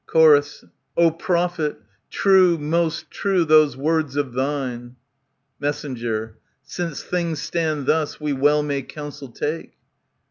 CSor, O prophet ! true, most true, those words of thine. Mess. Since things stand thus, we well may counsel take.